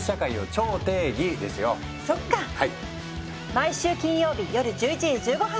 毎週金曜日夜１１時１５分から！